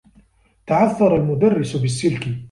تعثّر المدرّس بالسّلك.